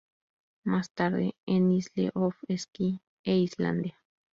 Más tarde en Isle of Skye e Islandia.